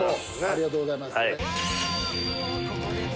ありがとうございます。